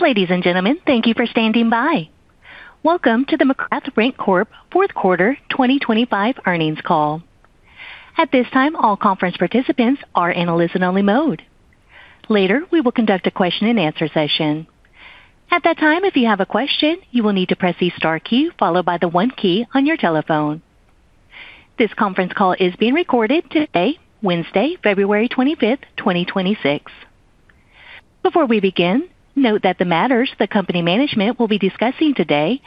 Ladies and gentlemen, thank you for standing by. Welcome to the McGrath RentCorp fourth quarter 2025 earnings call. At this time, all conference participants are in a listen-only mode. Later, we will conduct a question-and-answer session. At that time, if you have a question, you will need to press the star key followed by the one key on your telephone. This conference call is being recorded today, Wednesday, February 25th, 2026. Before we begin, note that the matters the company management will be discussing today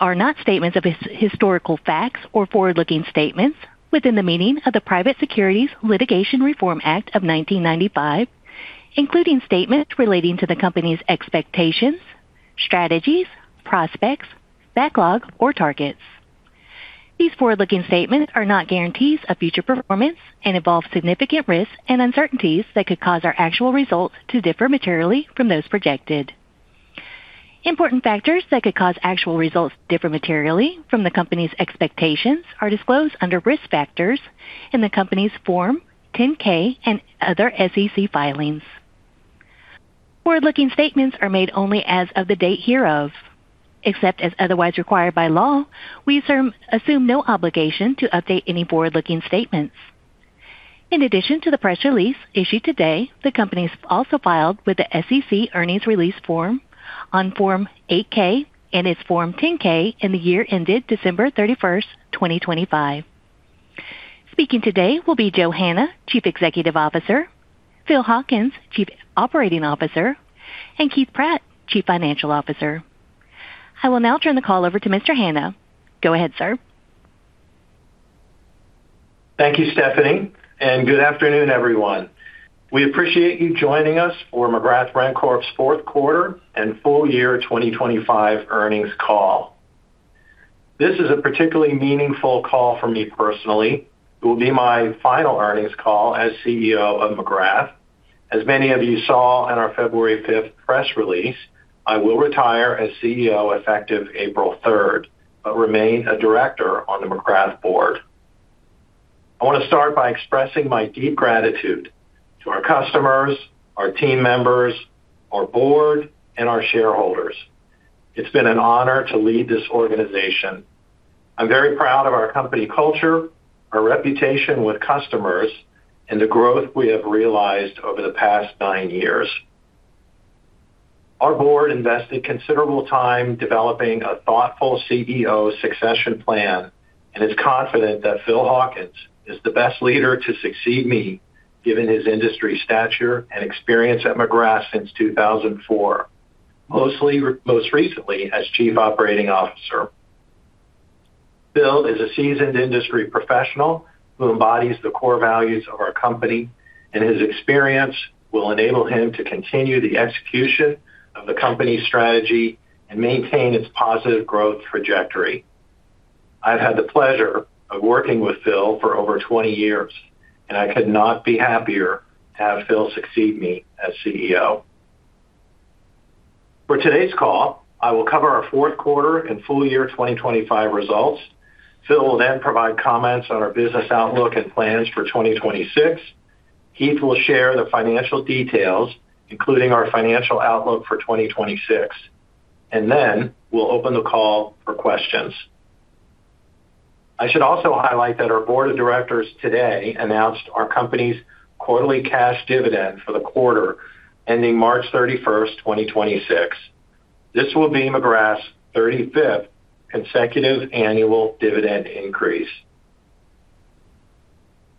are not statements of historical facts or forward-looking statements within the meaning of the Private Securities Litigation Reform Act of 1995, including statements relating to the company's expectations, strategies, prospects, backlog, or targets. These forward-looking statements are not guarantees of future performance and involve significant risks and uncertainties that could cause our actual results to differ materially from those projected. Important factors that could cause actual results to differ materially from the company's expectations are disclosed under Risk Factors in the company's Form 10-K and other SEC filings. Forward-looking statements are made only as of the date hereof. Except as otherwise required by law, we assume no obligation to update any forward-looking statements. In addition to the press release issued today, the company has also filed with the SEC earnings release form on Form 8-K and its Form 10-K in the year ended December 31st, 2025. Speaking today will be Joe Hanna, Chief Executive Officer; Phil Hawkins, Chief Operating Officer; and Keith Pratt, Chief Financial Officer. I will now turn the call over to Mr. Hanna. Go ahead, sir. Thank you, Stephanie, and good afternoon, everyone. We appreciate you joining us for McGrath RentCorp's fourth quarter and full year 2025 earnings call. This is a particularly meaningful call for me personally. It will be my final earnings call as CEO of McGrath. As many of you saw in our February 5th press release, I will retire as CEO effective April 3rd, but remain a director on the McGrath board. I want to start by expressing my deep gratitude to our customers, our team members, our board, and our shareholders. It's been an honor to lead this organization. I'm very proud of our company culture, our reputation with customers, and the growth we have realized over the past nine years. Our board invested considerable time developing a thoughtful CEO succession plan and is confident that Phil Hawkins is the best leader to succeed me, given his industry stature and experience at McGrath since 2004, most recently as Chief Operating Officer. Phil is a seasoned industry professional who embodies the core values of our company. His experience will enable him to continue the execution of the company's strategy and maintain its positive growth trajectory. I've had the pleasure of working with Phil for over 20 years. I could not be happier to have Phil succeed me as CEO. For today's call, I will cover our fourth quarter and full year 2025 results. Phil will provide comments on our business outlook and plans for 2026. Keith will share the financial details, including our financial outlook for 2026, and then we'll open the call for questions. I should also highlight that our board of directors today announced our company's quarterly cash dividend for the quarter ending March 31st, 2026. This will be McGrath's 35th consecutive annual dividend increase.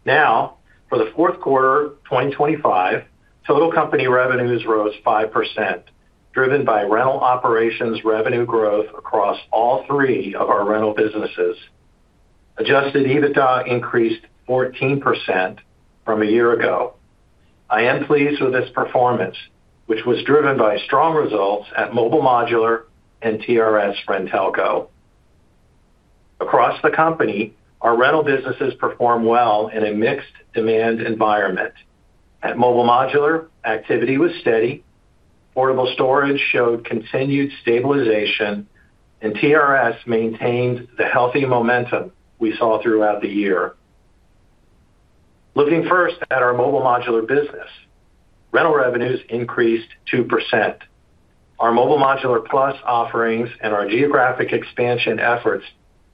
Now, for the fourth quarter of 2025, total company revenues rose 5%, driven by rental operations revenue growth across all three of our rental businesses. Adjusted EBITDA increased 14% from a year ago. I am pleased with this performance, which was driven by strong results at Mobile Modular and TRS-RenTelco. Across the company, our rental businesses performed well in a mixed demand environment. At Mobile Modular, activity was steady, Portable Storage showed continued stabilization, and TRS maintained the healthy momentum we saw throughout the year. Looking first at our Mobile Modular business, rental revenues increased 2%. Our Mobile Modular Plus offerings and our geographic expansion efforts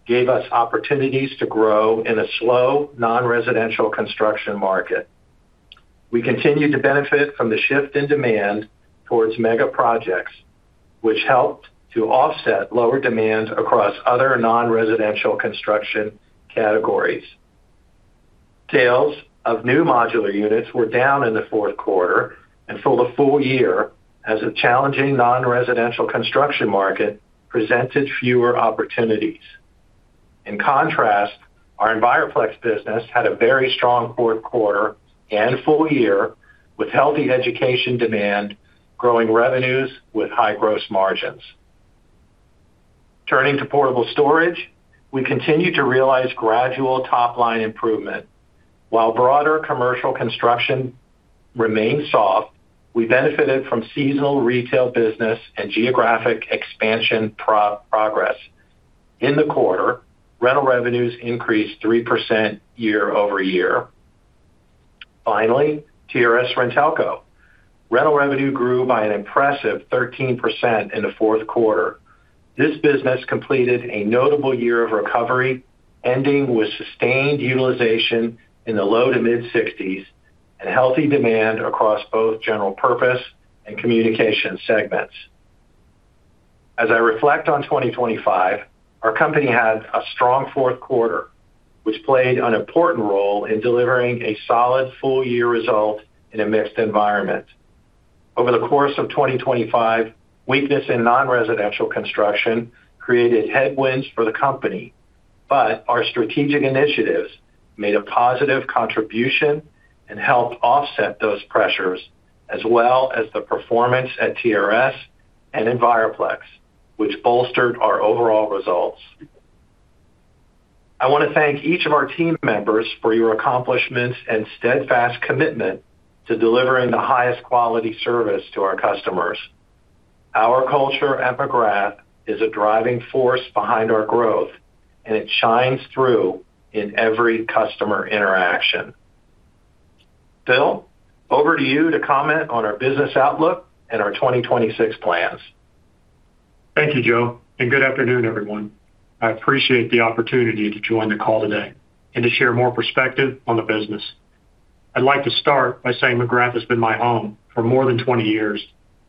gave us opportunities to grow in a slow, non-residential construction market. We continued to benefit from the shift in demand towards mega projects, which helped to offset lower demand across other non-residential construction categories. Sales of new modular units were down in the fourth quarter and for the full year as a challenging non-residential construction market presented fewer opportunities. In contrast, our Enviroplex business had a very strong fourth quarter and full year, with healthy education demand, growing revenues with high gross margins. Turning to Portable Storage, we continue to realize gradual top-line improvement. While broader commercial construction remains soft, we benefited from seasonal retail business and geographic expansion progress. In the quarter, rental revenues increased 3% year-over-year. Finally, TRS-RenTelco. Rental revenue grew by an impressive 13% in the fourth quarter. This business completed a notable year of recovery, ending with sustained utilization in the low to mid-60s and healthy demand across both general purpose and communication segments. As I reflect on 2025, our company had a strong fourth quarter, which played an important role in delivering a solid full year result in a mixed environment. Over the course of 2025, weakness in non-residential construction created headwinds for the company, but our strategic initiatives made a positive contribution and helped offset those pressures, as well as the performance at TRS and Enviroplex, which bolstered our overall results. I want to thank each of our team members for your accomplishments and steadfast commitment to delivering the highest quality service to our customers. Our culture at McGrath is a driving force behind our growth, and it shines through in every customer interaction. Phil, over to you to comment on our business outlook and our 2026 plans. Thank you, Joe, and good afternoon, everyone. I appreciate the opportunity to join the call today and to share more perspective on the business. I'd like to start by saying McGrath has been my home for more than 20 years,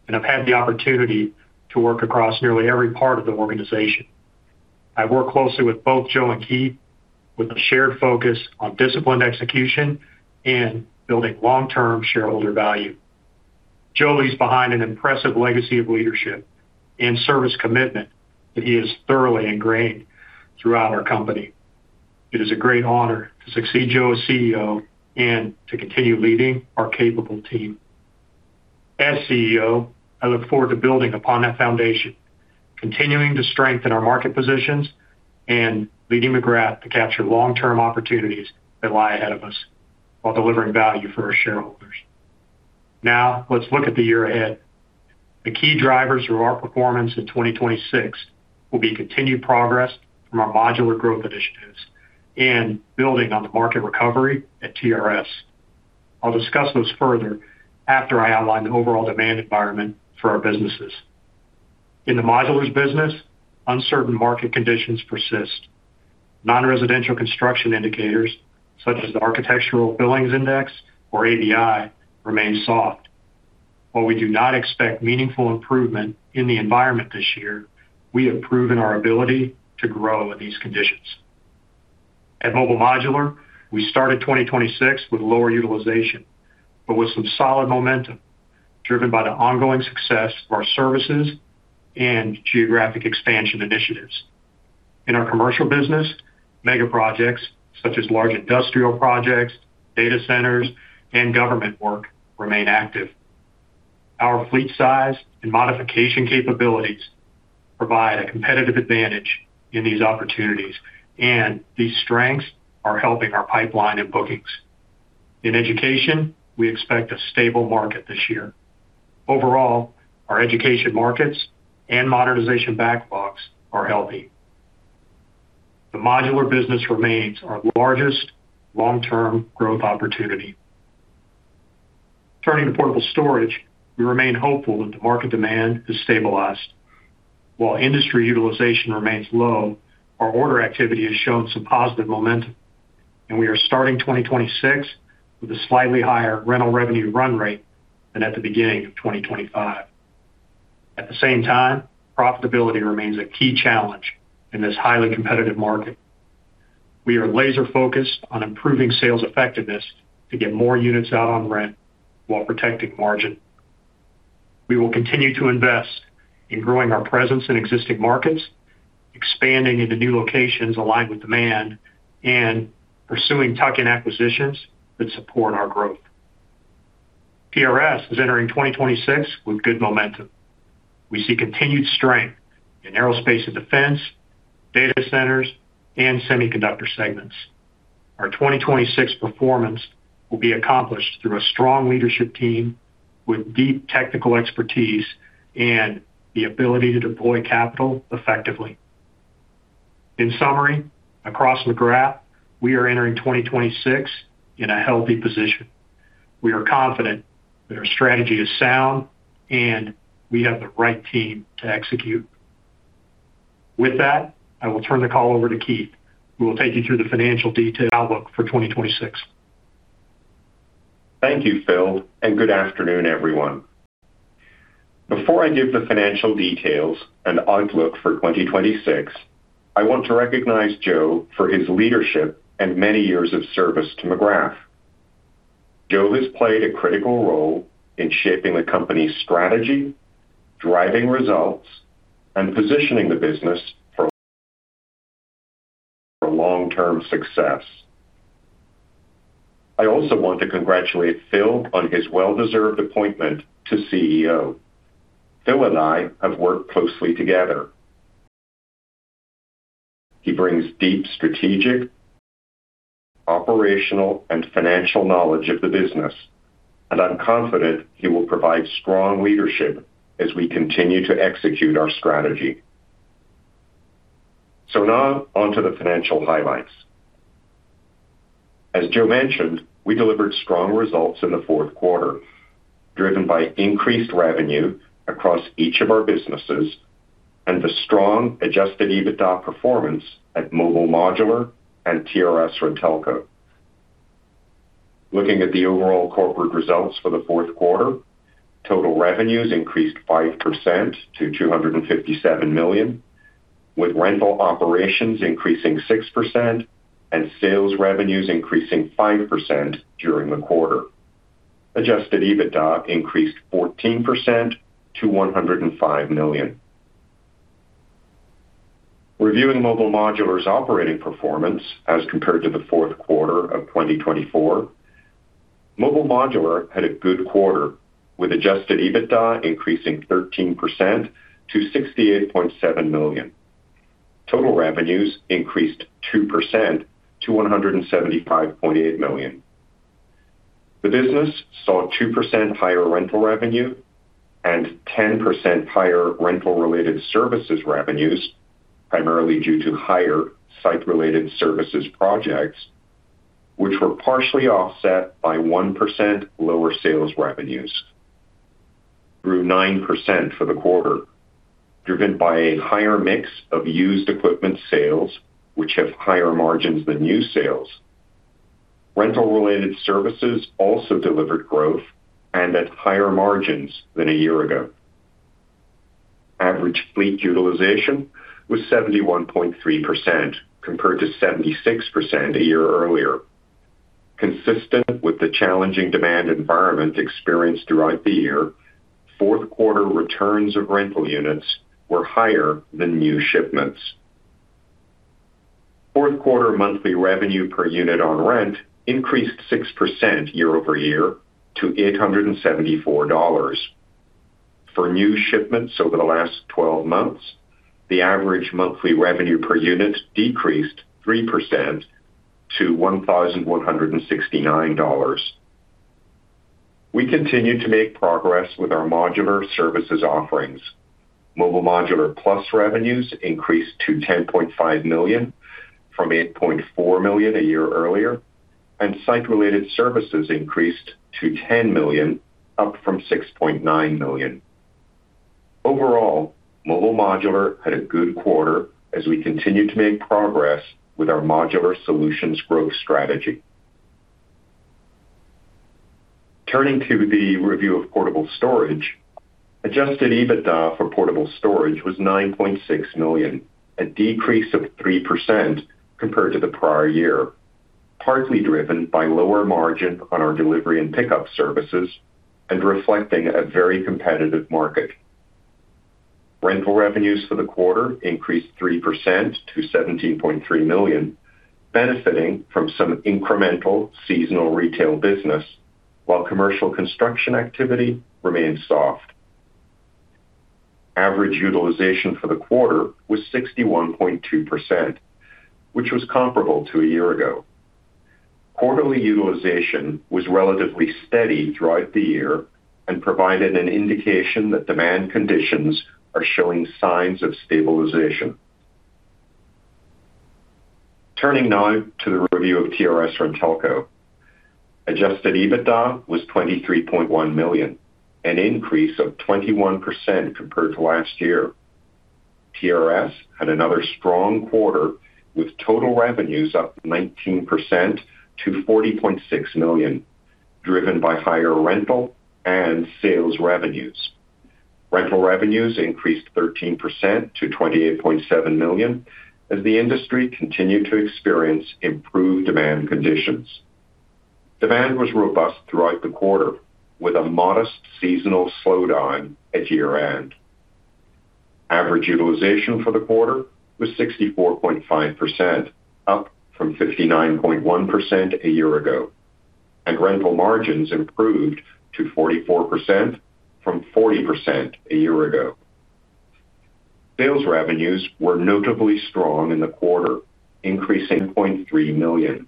and I've had the opportunity to work across nearly every part of the organization. I've worked closely with both Joe and Keith with a shared focus on disciplined execution and building long-term shareholder value. Joe leaves behind an impressive legacy of leadership and service commitment that he is thoroughly ingrained throughout our company. It is a great honor to succeed Joe as CEO and to continue leading our capable team. As CEO, I look forward to building upon that foundation, continuing to strengthen our market positions, and leading McGrath to capture long-term opportunities that lie ahead of us while delivering value for our shareholders. Now, let's look at the year ahead. The key drivers for our performance in 2026 will be continued progress from our modular growth initiatives and building on the market recovery at TRS. I'll discuss those further after I outline the overall demand environment for our businesses. In the modular business, uncertain market conditions persist. Non-residential construction indicators, such as the Architectural Billings Index, or ABI, remain soft. While we do not expect meaningful improvement in the environment this year, we have proven our ability to grow in these conditions. At Mobile Modular, we started 2026 with lower utilization, but with some solid momentum driven by the ongoing success of our services and geographic expansion initiatives. In our commercial business, mega projects such as large industrial projects, data centers, and government work remain active. Our fleet size and modification capabilities provide a competitive advantage in these opportunities, and these strengths are helping our pipeline and bookings. In education, we expect a stable market this year. Overall, our education markets and modernization backlogs are healthy. The modular business remains our largest long-term growth opportunity. Turning to Portable Storage, we remain hopeful that the market demand has stabilized. While industry utilization remains low, our order activity has shown some positive momentum, and we are starting 2026 with a slightly higher rental revenue run rate than at the beginning of 2025. At the same time, profitability remains a key challenge in this highly competitive market. We are laser-focused on improving sales effectiveness to get more units out on rent while protecting margin. We will continue to invest in growing our presence in existing markets, expanding into new locations aligned with demand, and pursuing tuck-in acquisitions that support our growth. TRS is entering 2026 with good momentum. We see continued strength in aerospace and defense, data centers, and semiconductor segments. Our 2026 performance will be accomplished through a strong leadership team with deep technical expertise and the ability to deploy capital effectively. In summary, across McGrath, we are entering 2026 in a healthy position. We are confident that our strategy is sound, and we have the right team to execute. With that, I will turn the call over to Keith, who will take you through the financial detail outlook for 2026. Thank you, Phil, and good afternoon, everyone. Before I give the financial details and outlook for 2026, I want to recognize Joe for his leadership and many years of service to McGrath. Joe has played a critical role in shaping the company's strategy, driving results, and positioning the business for long-term success. I also want to congratulate Phil on his well-deserved appointment to CEO. Phil and I have worked closely together. He brings deep strategic, operational, and financial knowledge of the business, and I'm confident he will provide strong leadership as we continue to execute our strategy. Now on to the financial highlights. As Joe mentioned, we delivered strong results in the fourth quarter, driven by increased revenue across each of our businesses and the strong Adjusted EBITDA performance at Mobile Modular and TRS-RenTelco. Looking at the overall corporate results for the fourth quarter, total revenues increased 5% to $257 million, with rental operations increasing 6% and sales revenues increasing 5% during the quarter. Adjusted EBITDA increased 14% to $105 million. Reviewing Mobile Modular's operating performance as compared to the fourth quarter of 2024, Mobile Modular had a good quarter, with Adjusted EBITDA increasing 13% to $68.7 million. Total revenues increased 2% to $175.8 million. The business saw 2% higher rental revenue and 10% higher Rental Related Services revenues, primarily due to higher Site Related Services projects, which were partially offset by 1% lower sales revenues, grew 9% for the quarter, driven by a higher mix of used equipment sales, which have higher margins than new sales. Rental-related services also delivered growth and at higher margins than a year ago. Average fleet utilization was 71.3%, compared to 76% a year earlier. Consistent with the challenging demand environment experienced throughout the year, fourth quarter returns of rental units were higher than new shipments. Fourth quarter monthly revenue per unit on rent increased 6% year-over-year to $874. For new shipments over the last 12 months, the average monthly revenue per unit decreased 3% to $1,169. We continue to make progress with our modular services offerings. Mobile Modular Plus revenues increased to $10.5 million from $8.4 million a year earlier and Site Related Services increased to $10 million, up from $6.9 million. Overall, Mobile Modular had a good quarter as we continued to make progress with our Modular Solutions growth strategy. Turning to the review of Portable Storage, Adjusted EBITDA for Portable Storage was $9.6 million, a decrease of 3% compared to the prior year, partly driven by lower margin on our delivery and pickup services and reflecting a very competitive market. Rental revenues for the quarter increased 3% to $17.3 million, benefiting from some incremental seasonal retail business while commercial construction activity remained soft. Average utilization for the quarter was 61.2%, which was comparable to a year ago. Quarterly utilization was relatively steady throughout the year and provided an indication that demand conditions are showing signs of stabilization. Turning now to the review of TRS-RenTelco. Adjusted EBITDA was $23.1 million, an increase of 21% compared to last year. TRS had another strong quarter, with total revenues up 19% to $40.6 million, driven by higher rental and sales revenues. Rental revenues increased 13% to $28.7 million, as the industry continued to experience improved demand conditions. Demand was robust throughout the quarter, with a modest seasonal slowdown at year-end. Average utilization for the quarter was 64.5%, up from 59.1% a year ago, and rental margins improved to 44% from 40% a year ago. Sales revenues were notably strong in the quarter, increasing $0.3 million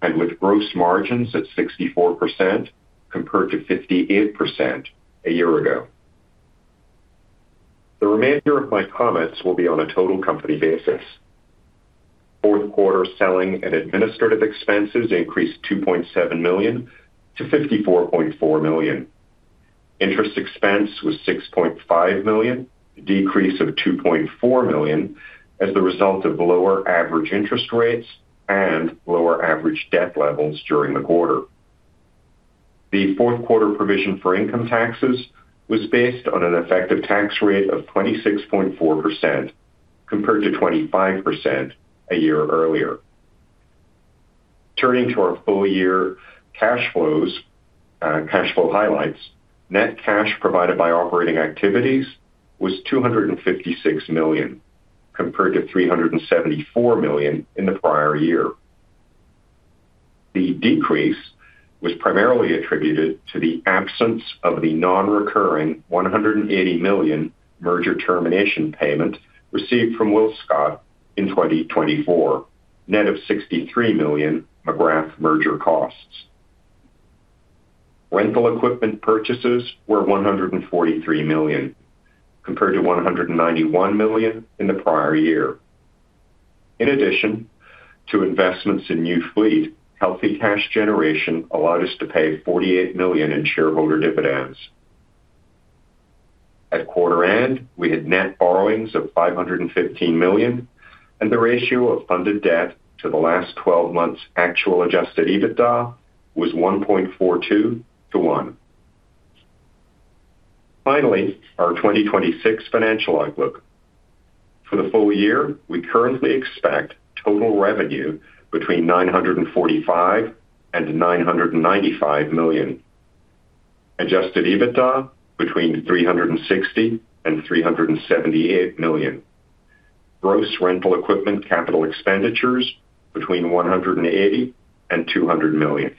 and with gross margins at 64% compared to 58% a year ago. The remainder of my comments will be on a total company basis. Fourth quarter selling and administrative expenses increased $2.7 million-$54.4 million. Interest expense was $6.5 million, a decrease of $2.4 million as a result of lower average interest rates and lower average debt levels during the quarter. The fourth quarter provision for income taxes was based on an effective tax rate of 26.4%, compared to 25% a year earlier. Turning to our full year cash flows, cash flow highlights. Net cash provided by operating activities was $256 million, compared to $374 million in the prior year. The decrease was primarily attributed to the absence of the non-recurring $180 million merger termination payment received from WillScot in 2024, net of $63 million McGrath merger costs. Rental equipment purchases were $143 million, compared to $191 million in the prior year. In addition to investments in new fleet, healthy cash generation allowed us to pay $48 million in shareholder dividends. At quarter end, we had net borrowings of $515 million, and the ratio of funded debt to the last twelve months actual Adjusted EBITDA was 1.42 to 1. Finally, our 2026 financial outlook. For the full year, we currently expect total revenue between $945 million and $995 million. Adjusted EBITDA, between $360 million and $378 million. Gross rental equipment capital expenditures, between $180 million and $200 million.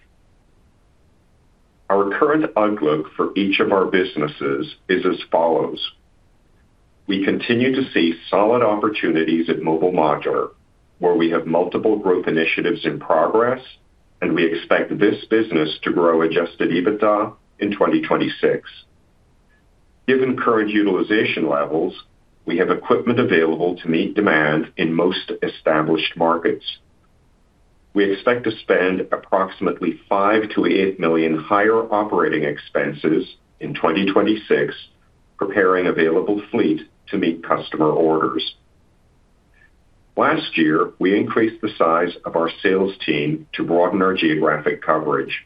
Our current outlook for each of our businesses is as follows: We continue to see solid opportunities at Mobile Modular, where we have multiple growth initiatives in progress. We expect this business to grow Adjusted EBITDA in 2026. Given current utilization levels, we have equipment available to meet demand in most established markets. We expect to spend approximately $5 million to $8 million higher operating expenses in 2026, preparing available fleet to meet customer orders. Last year, we increased the size of our sales team to broaden our geographic coverage.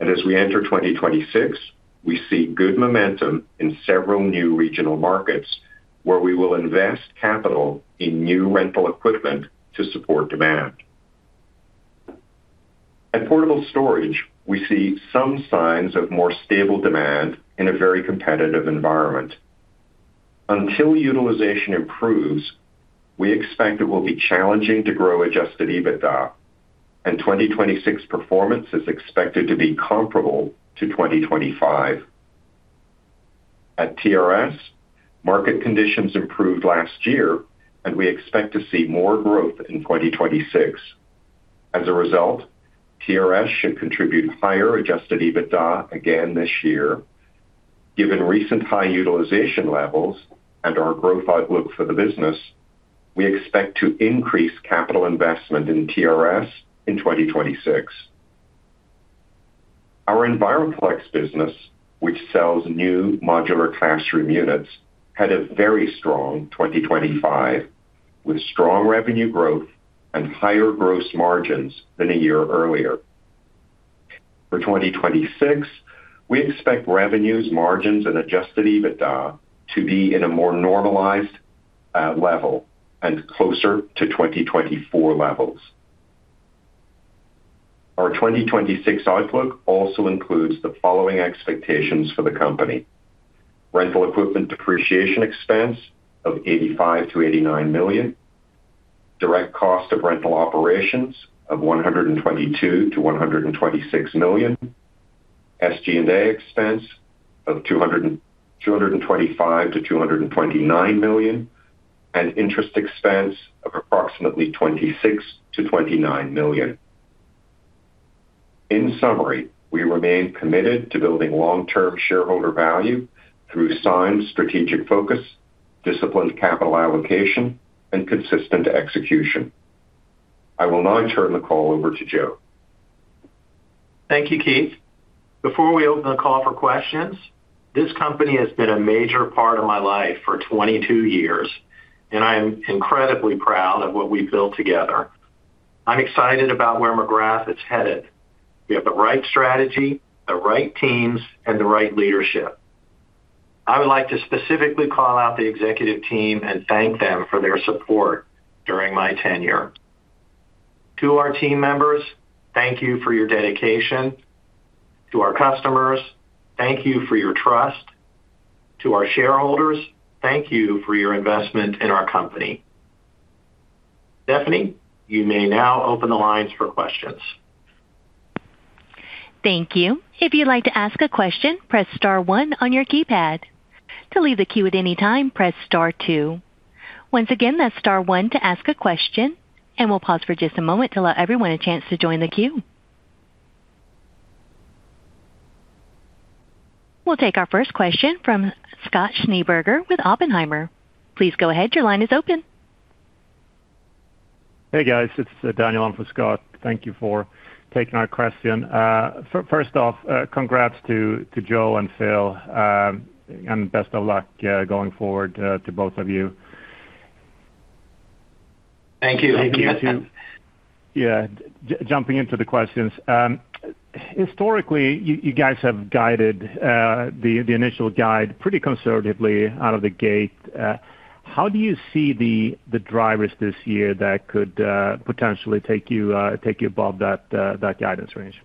As we enter 2026, we see good momentum in several new regional markets where we will invest capital in new rental equipment to support demand. At Portable Storage, we see some signs of more stable demand in a very competitive environment. Until utilization improves, we expect it will be challenging to grow Adjusted EBITDA, and 2026 performance is expected to be comparable to 2025. At TRS, market conditions improved last year, and we expect to see more growth in 2026. As a result, TRS should contribute higher Adjusted EBITDA again this year. Given recent high utilization levels and our growth outlook for the business, we expect to increase capital investment in TRS in 2026. Our Enviroplex business, which sells new modular classroom units, had a very strong 2025, with strong revenue growth and higher gross margins than a year earlier. For 2026, we expect revenues, margins, and Adjusted EBITDA to be in a more normalized level and closer to 2024 levels. Our 2026 outlook also includes the following expectations for the company: Rental equipment depreciation expense of $85 million-$89 million. Direct cost of rental operations of $122 million-$126 million. SG&A expense of $225 million-$229 million, and interest expense of approximately $26 million-$29 million. In summary, we remain committed to building long-term shareholder value through signed strategic focus, disciplined capital allocation, and consistent execution. I will now turn the call over to Joe. Thank you, Keith. Before we open the call for questions, this company has been a major part of my life for 22 years, I am incredibly proud of what we've built together. I'm excited about where McGrath is headed. We have the right strategy, the right teams, and the right leadership. I would like to specifically call out the executive team and thank them for their support during my tenure. To our team members, thank you for your dedication. To our customers, thank you for your trust. To our shareholders, thank you for your investment in our company. Stephanie, you may now open the lines for questions. Thank you. If you'd like to ask a question, press star one on your keypad. To leave the queue at any time, press star two. Once again, that's star one to ask a question. We'll pause for just a moment to allow everyone a chance to join the queue. We'll take our first question from Scott Schneeberger with Oppenheimer. Please go ahead. Your line is open. Hey, guys. It's Daniel on for Scott. Thank you for taking our question. First off, congrats to Joe and Phil, and best of luck going forward to both of you. Thank you. Thank you. Yeah. Jumping into the questions. Historically, you guys have guided the initial guide pretty conservatively out of the gate. How do you see the drivers this year that could potentially take you above that guidance range?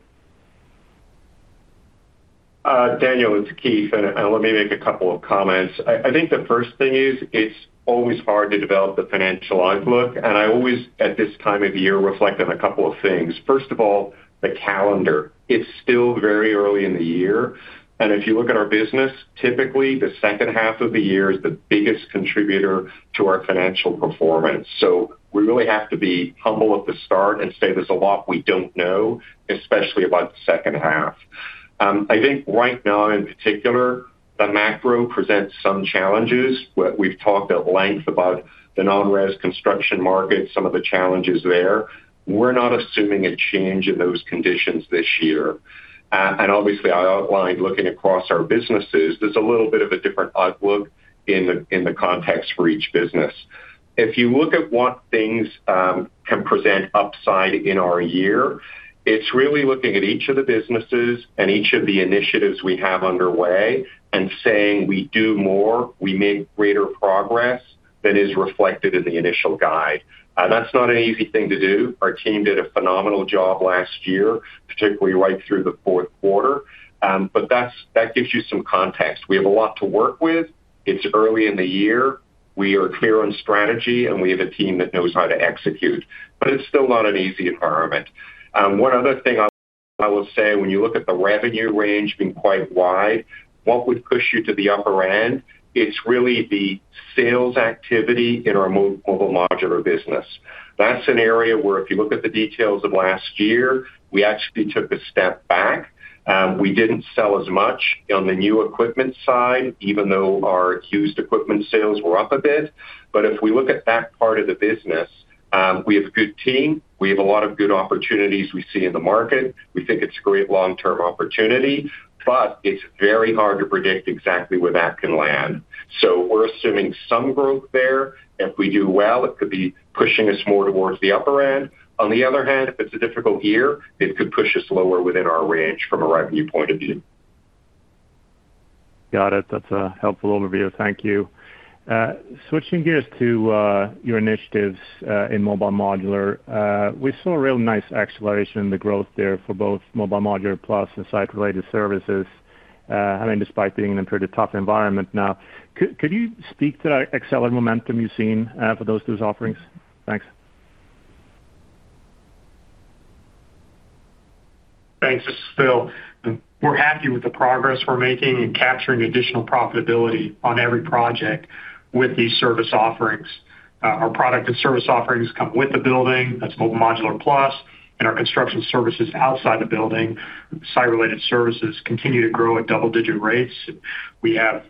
Daniel, it's Keith, and let me make a couple of comments. I think the first thing is, it's always hard to develop a financial outlook, and I always, at this time of year, reflect on a couple of things. First of all, the calendar. It's still very early in the year, and if you look at our business, typically the second half of the year is the biggest contributor to our financial performance. We really have to be humble at the start and say there's a lot we don't know, especially about the second half. I think right now, in particular, the macro presents some challenges. We've talked at length about the non-res construction market, some of the challenges there. We're not assuming a change in those conditions this year. Obviously, I outlined looking across our businesses, there's a little bit of a different outlook in the context for each business. If you look at what things can present upside in our year, it's really looking at each of the businesses and each of the initiatives we have underway and saying, we do more, we make greater progress than is reflected in the initial guide. That's not an easy thing to do. Our team did a phenomenal job last year, particularly right through the fourth quarter. That gives you some context. We have a lot to work with. It's early in the year. We are clear on strategy, and we have a team that knows how to execute, but it's still not an easy environment. One other thing I will say, when you look at the revenue range being quite wide, what would push you to the upper end? It's really the sales activity in our Mobile Modular business. That's an area where if you look at the details of last year, we actually took a step back. We didn't sell as much on the new equipment side, even though our used equipment sales were up a bit. If we look at that part of the business, we have a good team. We have a lot of good opportunities we see in the market. We think it's a great long-term opportunity, but it's very hard to predict exactly where that can land. We're assuming some growth there. If we do well, it could be pushing us more towards the upper end. If it's a difficult year, it could push us lower within our range from a revenue point of view. Got it. That's a helpful overview. Thank you. Switching gears to your initiatives in Mobile Modular. We saw a real nice acceleration in the growth there for both Mobile Modular Plus and Site Related Services, I mean, despite being in a pretty tough environment now. Could you speak to the accelerated momentum you've seen for those two offerings? Thanks. Thanks. This is Phil. We're happy with the progress we're making in capturing additional profitability on every project with these service offerings. Our product and service offerings come with the building, that's Mobile Modular Plus, our construction services outside the building, Site Related Services, continue to grow at double-digit rates. We have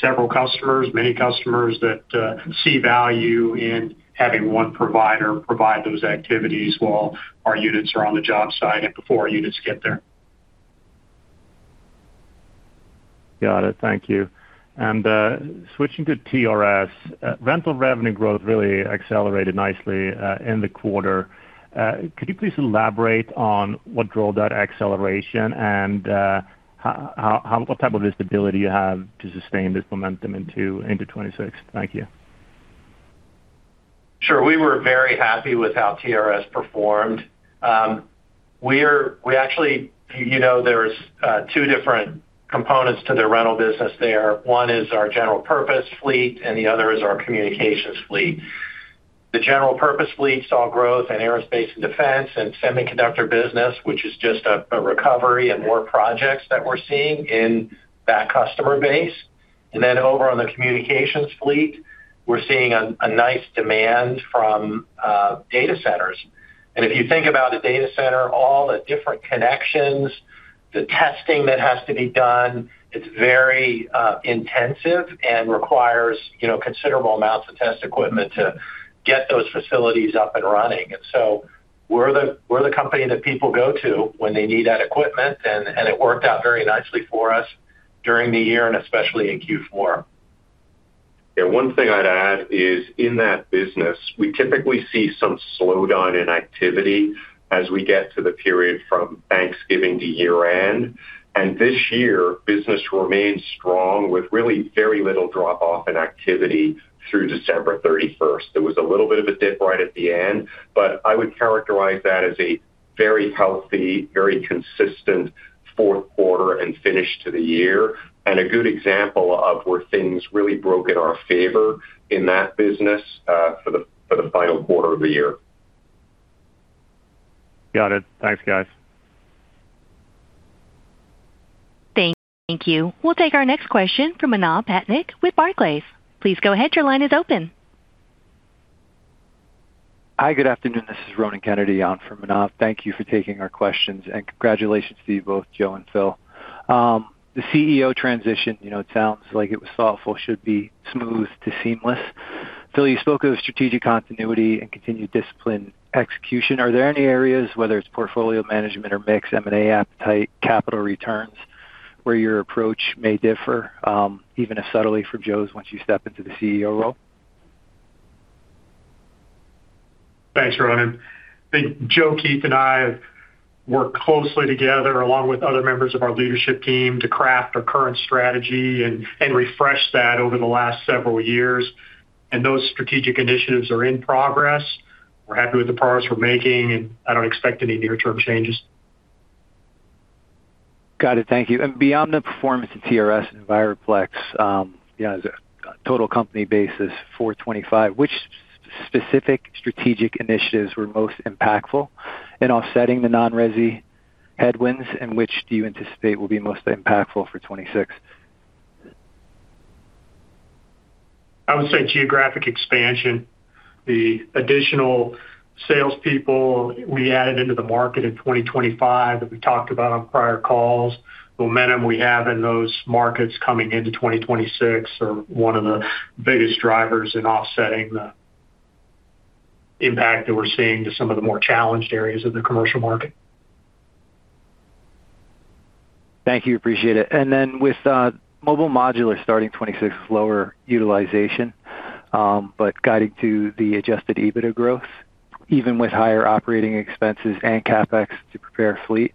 several customers, many customers that see value in having one provider provide those activities while our units are on the job site and before our units get there. Got it. Thank you. Switching to TRS, rental revenue growth really accelerated nicely in the quarter. Could you please elaborate on what drove that acceleration and what type of visibility you have to sustain this momentum into 2026? Thank you. Sure. We were very happy with how TRS performed. We actually, you know, there's two different components to the rental business there. One is our general purpose fleet, and the other is our communications fleet. The general purpose fleet saw growth in aerospace and defense and semiconductor business, which is just a recovery and more projects that we're seeing in that customer base. Over on the communications fleet, we're seeing a nice demand from data centers. If you think about a data center, all the different connections, the testing that has to be done, it's very intensive and requires, you know, considerable amounts of test equipment to get those facilities up and running. We're the company that people go to when they need that equipment, and it worked out very nicely for us during the year and especially in Q4. One thing I'd add is in that business, we typically see some slowdown in activity as we get to the period from Thanksgiving to year-end. This year, business remained strong with really very little drop-off in activity through December 31st. There was a little bit of a dip right at the end. I would characterize that as a very healthy, very consistent fourth quarter and finish to the year, and a good example of where things really broke in our favor in that business, for the, for the final quarter of the year. Got it. Thanks, guys. Thank you. We'll take our next question from Manav Patnaik with Barclays. Please go ahead. Your line is open. Hi, good afternoon. This is Ronan Kennedy on for Manav. Thank you for taking our questions. Congratulations to you both, Joe and Phil. The CEO transition, you know, it sounds like it was thoughtful, should be smooth to seamless. Phil, you spoke of strategic continuity and continued discipline execution. Are there any areas, whether it's portfolio management or mix, M&A appetite, capital returns, where your approach may differ, even if subtly from Joe's once you step into the CEO role? Thanks, Ronan. I think Joe, Keith, and I have worked closely together, along with other members of our leadership team, to craft our current strategy and refresh that over the last several years, and those strategic initiatives are in progress. We're happy with the progress we're making, and I don't expect any near-term changes. Got it. Thank you. Beyond the performance of TRS and Enviroplex, you know, as a total company basis, 2025, which specific strategic initiatives were most impactful in offsetting the non-resi headwinds, and which do you anticipate will be most impactful for 2026? I would say geographic expansion, the additional salespeople we added into the market in 2025 that we talked about on prior calls, momentum we have in those markets coming into 2026 are one of the biggest drivers in offsetting the impact that we're seeing to some of the more challenged areas of the commercial market. Thank you. Appreciate it. Then with Mobile Modular starting 26, lower utilization, but guiding to the Adjusted EBITDA growth, even with higher operating expenses and CapEx to prepare fleet,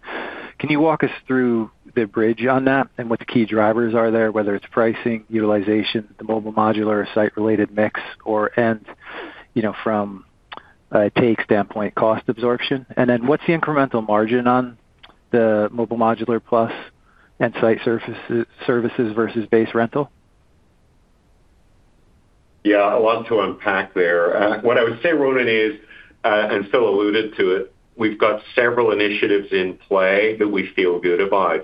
can you walk us through the bridge on that and what the key drivers are there, whether it's pricing, utilization, the Mobile Modular or Site Related mix, or, and, you know, from a take standpoint, cost absorption? And then what's the incremental margin on the Mobile Modular Plus and Site surfaces, services versus base rental? Yeah, a lot to unpack there. What I would say, Ronan, is, and Phil alluded to it, we've got several initiatives in play that we feel good about.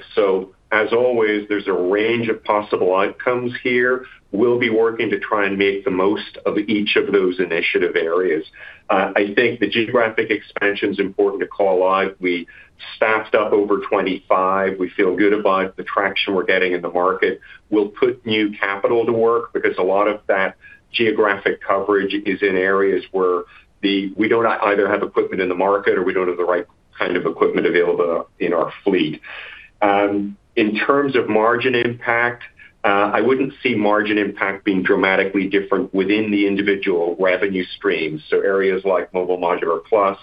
As always, there's a range of possible outcomes here. We'll be working to try and make the most of each of those initiative areas. I think the geographic expansion is important to call out. We staffed up over 25. We feel good about the traction we're getting in the market. We'll put new capital to work because a lot of that geographic coverage is in areas where we don't either have equipment in the market or we don't have the right kind of equipment available in our fleet. In terms of margin impact, I wouldn't see margin impact being dramatically different within the individual revenue streams. Areas like Mobile Modular Plus,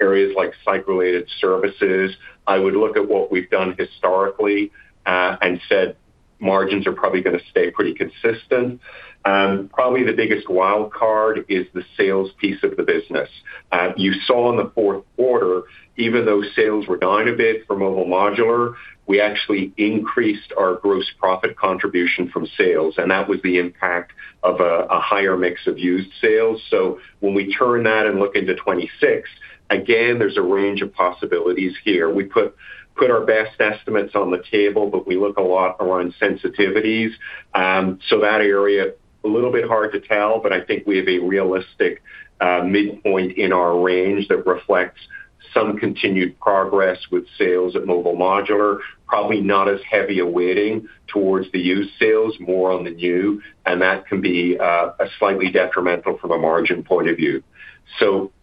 areas like Site Related Services, I would look at what we've done historically, and said margins are probably gonna stay pretty consistent. Probably the biggest wild card is the sales piece of the business. You saw in the fourth quarter, even though sales were down a bit for Mobile Modular, we actually increased our gross profit contribution from sales, and that was the impact of a higher mix of used sales. When we turn that and look into 2026, again, there's a range of possibilities here. We put our best estimates on the table, but we look a lot around sensitivities. That area, a little bit hard to tell, but I think we have a realistic midpoint in our range that reflects some continued progress with sales at Mobile Modular. Probably not as heavy a weighting towards the used sales, more on the new. That can be slightly detrimental from a margin point of view.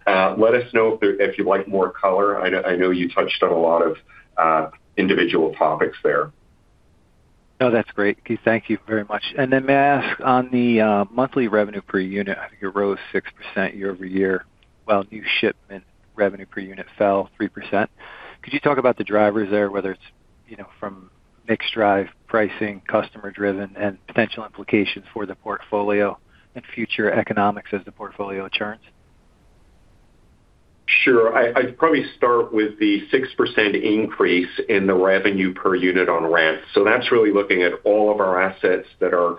Let us know if you'd like more color. I know you touched on a lot of individual topics there. No, that's great. Thank you very much. May I ask, on the monthly revenue per unit, I think it rose 6% year-over-year, while new shipment revenue per unit fell 3%. Could you talk about the drivers there, whether it's, you know, from mixed drive, pricing, customer driven, and potential implications for the portfolio and future economics as the portfolio turns? Sure. I'd probably start with the 6% increase in the revenue per unit on rent. That's really looking at all of our assets that are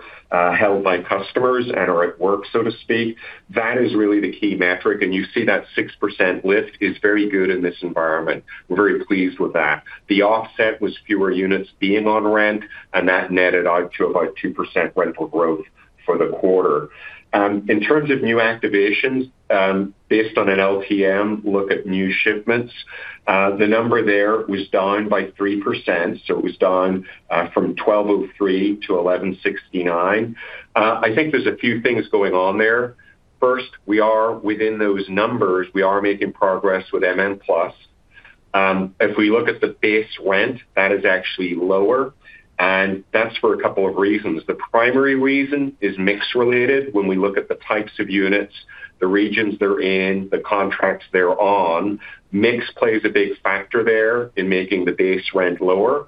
held by customers and are at work, so to speak. That is really the key metric, and you see that 6% lift is very good in this environment. We're very pleased with that. The offset was fewer units being on rent, and that netted out to about 2% rental growth for the quarter. In terms of new activations, based on an LTM look at new shipments, the number there was down by 3%, so it was down from 1,203 to 1,169. I think there's a few things going on there. First, we are within those numbers. We are making progress with MN Plus. If we look at the base rent, that is actually lower, and that's for a couple of reasons. The primary reason is mix related. When we look at the types of units, the regions they're in, the contracts they're on, mix plays a big factor there in making the base rent lower.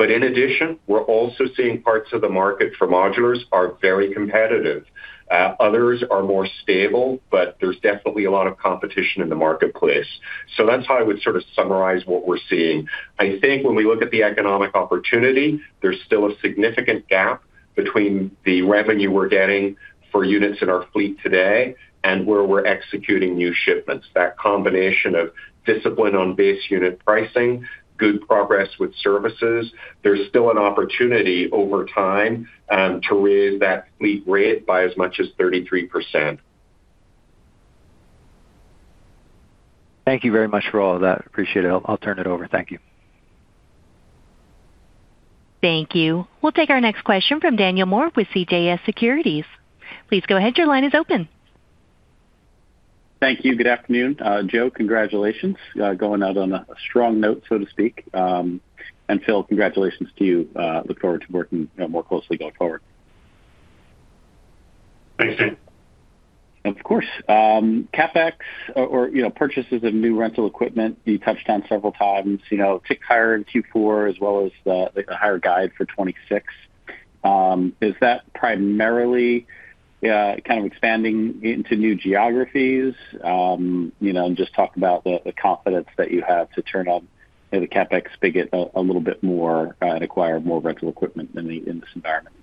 In addition, we're also seeing parts of the market for modulars are very competitive. Others are more stable, but there's definitely a lot of competition in the marketplace. That's how I would sort of summarize what we're seeing. I think when we look at the economic opportunity, there's still a significant gap between the revenue we're getting for units in our fleet today and where we're executing new shipments. That combination of discipline on base unit pricing, good progress with services, there's still an opportunity over time, to raise that fleet rate by as much as 33%. Thank you very much for all of that. Appreciate it. I'll turn it over. Thank you. Thank you. We'll take our next question from Daniel Moore with CJS Securities. Please go ahead. Your line is open. Thank you. Good afternoon. Joe, congratulations, going out on a strong note, so to speak. Phil, congratulations to you. Look forward to working more closely going forward. Thanks, Dan. Of course. CapEx or, you know, purchases of new rental equipment, you touched on several times, you know, ticked higher in Q4 as well as the higher guide for 2026. Is that primarily kind of expanding into new geographies? You know, and just talk about the confidence that you have to turn on the CapEx spigot a little bit more and acquire more rental equipment in this environment?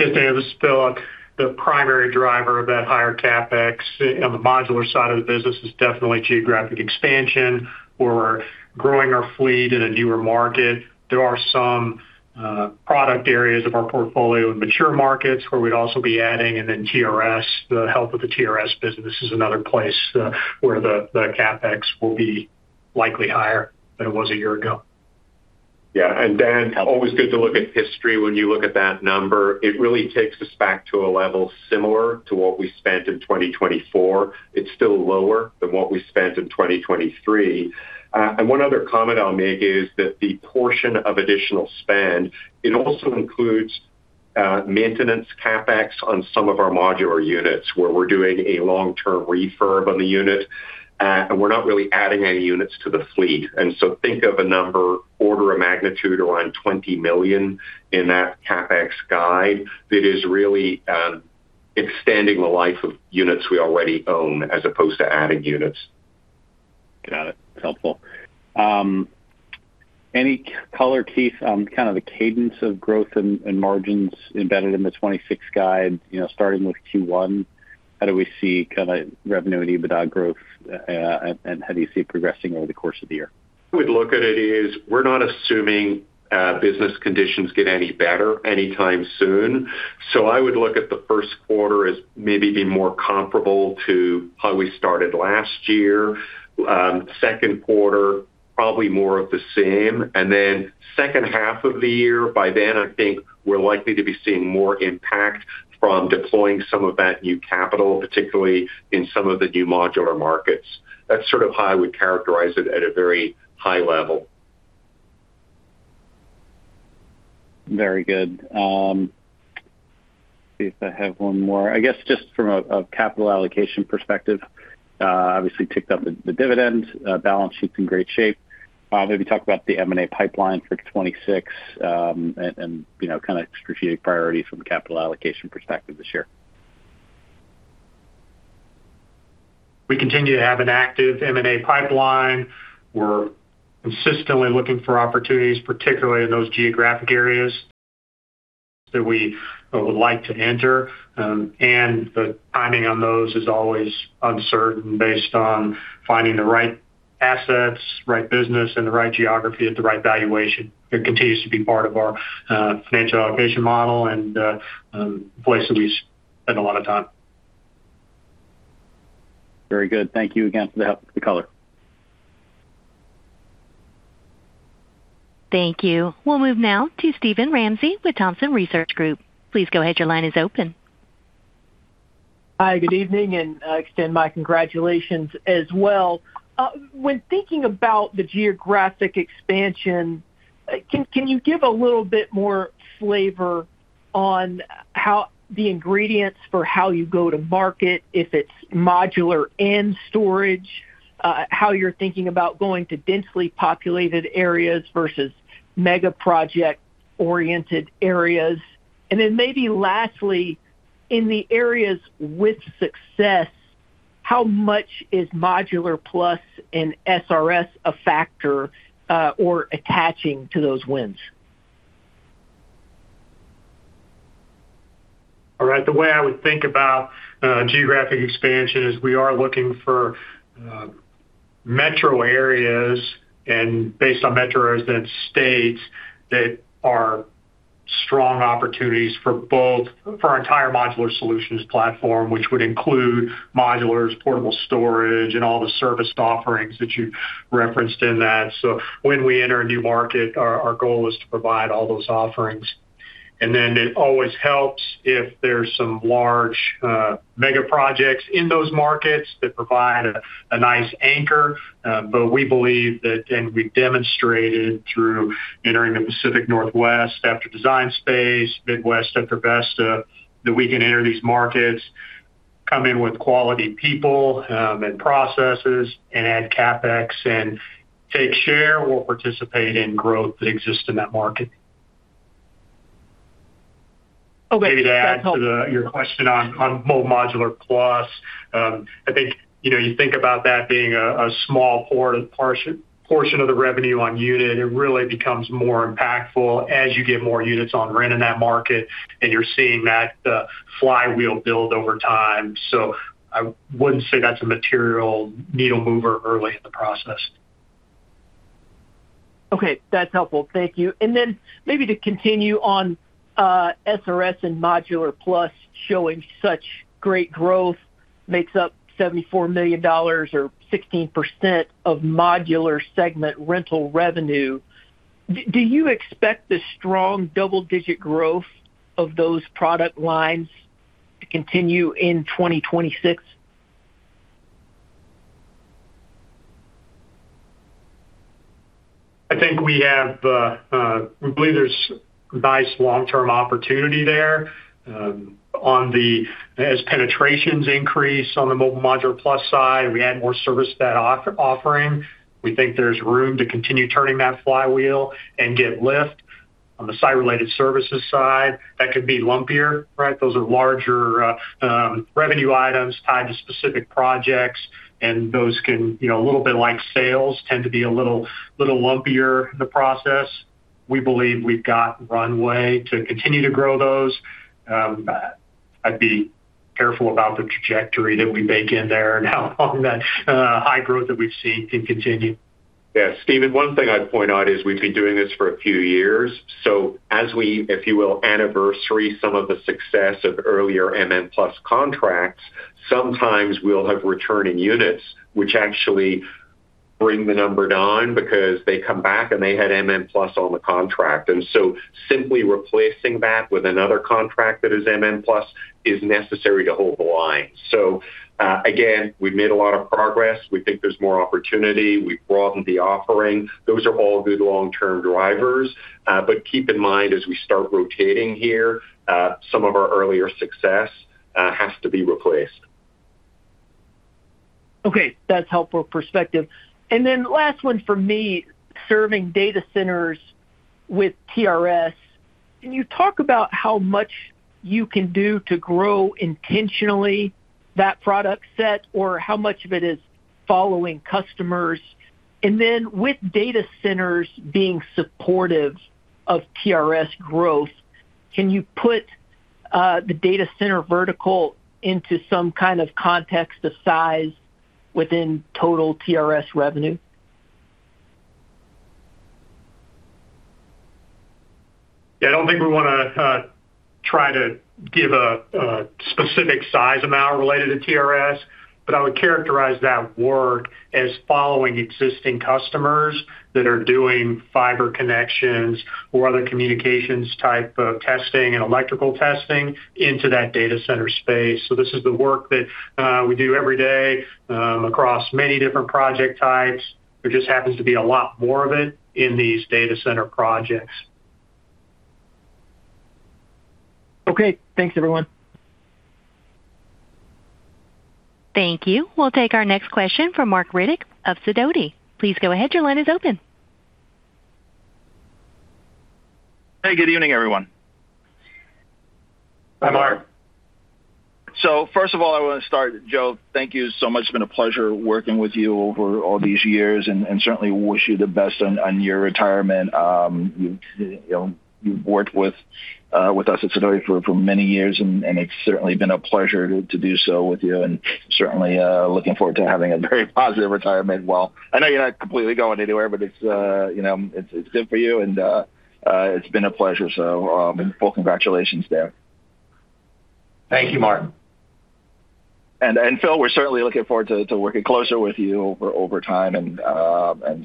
Yes, Dan, this is Phil. The primary driver of that higher CapEx on the modular side of the business is definitely geographic expansion. We're growing our fleet in a newer market. There are some product areas of our portfolio in mature markets where we'd also be adding, and then TRS, the health of the TRS business is another place where the CapEx will be likely higher than it was a year ago. Dan, always good to look at history when you look at that number. It really takes us back to a level similar to what we spent in 2024. It's still lower than what we spent in 2023. One other comment I'll make is that the portion of additional spend, it also includes maintenance CapEx on some of our modular units, where we're doing a long-term refurb on the unit, and we're not really adding any units to the fleet. Think of a number order of magnitude around $20 million in that CapEx guide that is really extending the life of units we already own as opposed to adding units. Got it. Helpful. Any color, Keith, on kind of the cadence of growth and margins embedded in the 2026 guide, you know, starting with Q1, how do we see kind of revenue and EBITDA growth, and how do you see it progressing over the course of the year? I would look at it is, we're not assuming business conditions get any better anytime soon. I would look at the first quarter as maybe being more comparable to how we started last year. Second quarter, probably more of the same, and then second half of the year, by then, I think we're likely to be seeing more impact from deploying some of that new capital, particularly in some of the new modular markets. That's sort of how I would characterize it at a very high level. Very good. Let's see if I have one more. I guess just from a capital allocation perspective, obviously, ticked up the dividend, balance sheet's in great shape. Maybe talk about the M&A pipeline for 2026, you know, kind of strategic priorities from a capital allocation perspective this year. We continue to have an active M&A pipeline. We're consistently looking for opportunities, particularly in those geographic areas that we would like to enter. The timing on those is always uncertain, based on finding the right assets, right business, and the right geography at the right valuation. It continues to be part of our financial allocation model and place that we spend a lot of time. Very good. Thank you again for the help, the color. Thank you. We'll move now to Steven Ramsey with Thompson Research Group. Please go ahead. Your line is open. Hi, good evening, and extend my congratulations as well. When thinking about the geographic expansion, can you give a little bit more flavor on how the ingredients for how you go to market, if it's modular and storage, how you're thinking about going to densely populated areas versus mega project-oriented areas? Maybe lastly, in the areas with success, how much is Modular Plus and SRS a factor, or attaching to those wins? All right. The way I would think about geographic expansion is we are looking for metro areas, and based on metro areas, then states that are strong opportunities for our entire Modular Solutions platform, which would include modulars, Portable Storage, and all the serviced offerings that you referenced in that. When we enter a new market, our goal is to provide all those offerings. It always helps if there's some large mega projects in those markets that provide a nice anchor. We believe that, and we demonstrated through entering the Pacific Northwest after Design Space, Midwest after Vesta, that we can enter these markets, come in with quality people and processes, and add CapEx and take share or participate in growth that exists in that market. Okay, that helps. Maybe to add to your question on Mobile Modular Plus. I think, you know, you think about that being a small portion of the revenue on unit, it really becomes more impactful as you get more units on rent in that market, and you're seeing that flywheel build over time. I wouldn't say that's a material needle mover early in the process. Okay, that's helpful. Thank you. Maybe to continue on, SRS and Modular Plus showing such great growth, makes up $74 million or 16% of modular segment rental revenue. Do you expect the strong double-digit growth of those product lines to continue in 2026? I think we have. We believe there's nice long-term opportunity there. As penetrations increase on the Mobile Modular Plus side, we add more service to that offering. We think there's room to continue turning that flywheel and get lift. On the Site Related Services side, that could be lumpier, right? Those are larger, revenue items tied to specific projects, and those can, you know, a little bit like sales, tend to be a little lumpier in the process. We believe we've got runway to continue to grow those. I'd be careful about the trajectory that we bake in there and how long that high growth that we've seen can continue. Stephen, one thing I'd point out is we've been doing this for a few years. As we, if you will, anniversary some of the success of earlier MN Plus contracts, sometimes we'll have returning units, which actually bring the number down because they come back, and they had MN Plus on the contract. Simply replacing that with another contract that is MN Plus is necessary to hold the line. Again, we've made a lot of progress. We think there's more opportunity. We've broadened the offering. Those are all good long-term drivers. Keep in mind, as we start rotating here, some of our earlier success has to be replaced. Okay, that's helpful perspective. Last one for me, serving data centers with TRS, can you talk about how much you can do to grow intentionally that product set, or how much of it is following customers? With data centers being supportive of TRS growth, can you put the data center vertical into some kind of context of size within total TRS revenue? I don't think we wanna try to give a specific size amount related to TRS, but I would characterize that work as following existing customers that are doing fiber connections or other communications type of testing and electrical testing into that data center space. This is the work that we do every day, across many different project types. There just happens to be a lot more of it in these data center projects. Okay. Thanks, everyone. Thank you. We'll take our next question from Marc Riddick of Sidoti. Please go ahead. Your line is open. Hey, good evening, everyone. Hi, Marc. First of all, I want to start, Joe, thank you so much. It's been a pleasure working with you over all these years, and certainly wish you the best on your retirement. You've, you know, you've worked with us at Sidoti for many years, and it's certainly been a pleasure to do so with you, and certainly looking forward to having a very positive retirement. Well, I know you're not completely going anywhere, but it's, you know, it's good for you, and it's been a pleasure, so full congratulations there. Thank you, Marc. Phil, we're certainly looking forward to working closer with you over time and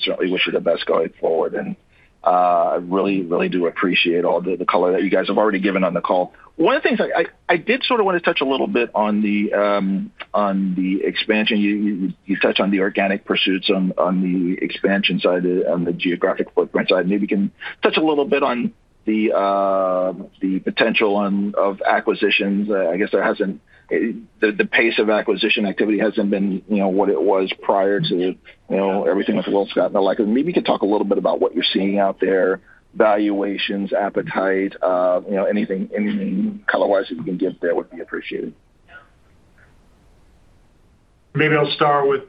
certainly wish you the best going forward. I really do appreciate all the color that you guys have already given on the call. One of the things I did sort of want to touch a little bit on the expansion. You touched on the organic pursuits on the expansion side, on the geographic footprint side. Maybe you can touch a little bit on the potential of acquisitions. I guess there hasn't. The pace of acquisition activity hasn't been, you know, what it was prior to, you know, everything with WillScot and the like. Maybe you could talk a little bit about what you're seeing out there, valuations, appetite, you know, anything color-wise that you can give there would be appreciated. Maybe I'll start with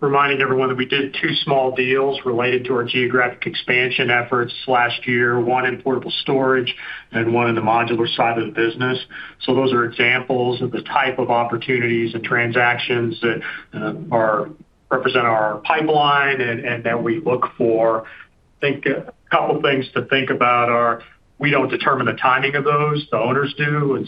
reminding everyone that we did two small deals related to our geographic expansion efforts last year, one in Portable Storage and one in the modular side of the business. Those are examples of the type of opportunities and transactions that represent our pipeline and that we look for. I think a couple of things to think about are. We don't determine the timing of those, the owners do.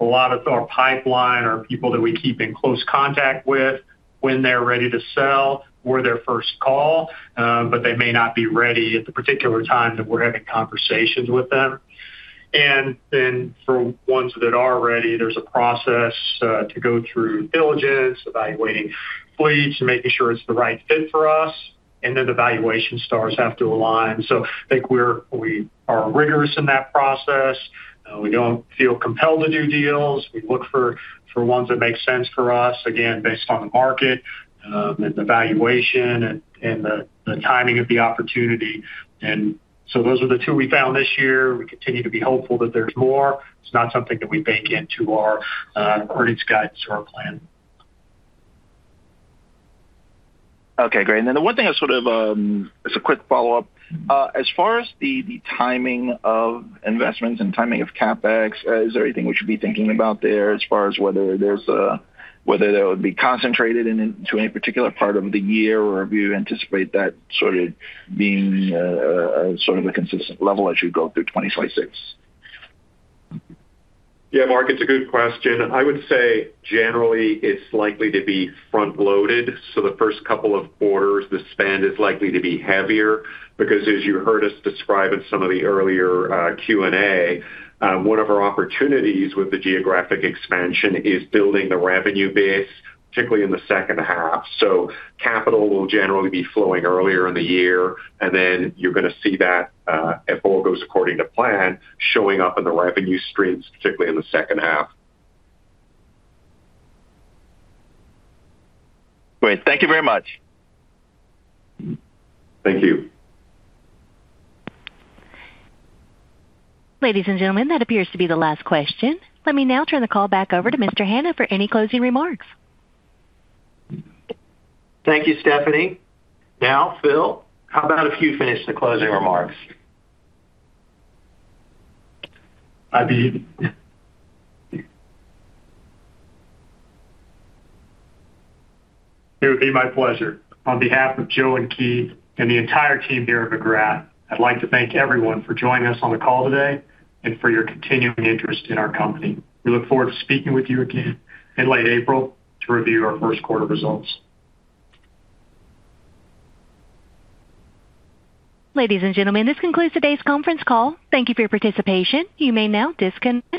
A lot of our pipeline are people that we keep in close contact with. When they're ready to sell, we're their first call, but they may not be ready at the particular time that we're having conversations with them. Then for ones that are ready, there's a process to go through diligence, evaluating employees, making sure it's the right fit for us, and then the valuation stars have to align. I think we are rigorous in that process. We don't feel compelled to do deals. We look for ones that make sense for us, again, based on the market, and the valuation and the timing of the opportunity. Those are the two we found this year. We continue to be hopeful that there's more. It's not something that we bake into our earnings guidance or our plan. Okay, great. The one thing I sort of, as a quick follow-up, as far as the timing of investments and timing of CapEx, is there anything we should be thinking about there as far as whether that would be concentrated in, to any particular part of the year, or do you anticipate that sort of being a sort of a consistent level as you go through 2026? Marc, it's a good question. I would say generally it's likely to be front-loaded, so the first couple of quarters, the spend is likely to be heavier because as you heard us describe in some of the earlier, Q&A, one of our opportunities with the geographic expansion is building the revenue base, particularly in the second half. Capital will generally be flowing earlier in the year, and then you're gonna see that, if all goes according to plan, showing up in the revenue streams, particularly in the second half. Great. Thank you very much. Thank you. Ladies and gentlemen, that appears to be the last question. Let me now turn the call back over to Mr. Hanna for any closing remarks. Thank you, Stephanie. Phil, how about if you finish the closing remarks? It would be my pleasure. On behalf of Joe and Keith and the entire team here at McGrath, I'd like to thank everyone for joining us on the call today and for your continuing interest in our company. We look forward to speaking with you again in late April to review our first quarter results. Ladies and gentlemen, this concludes today's conference call. Thank you for your participation. You may now.